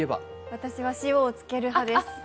私は塩をつける派です。